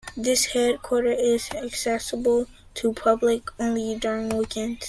This headquarter is accessible to public only during weekends.